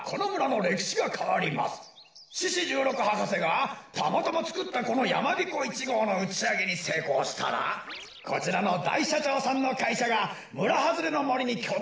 獅子じゅうろく博士がたまたまつくったこのやまびこ１ごうのうちあげにせいこうしたらこちらのだいしゃちょうさんのかいしゃがむらはずれのもりにきょだ